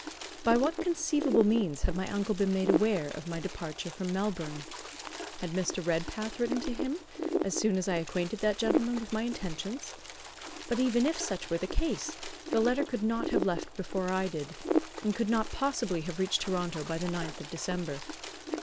By what conceivable means had my uncle been made aware of my departure from Melbourne? Had Mr. Redpath written to him, as soon as I acquainted that gentleman with my intentions? But even if such were the case, the letter could not have left before I did, and could not possibly have reached Toronto by the 9th of December.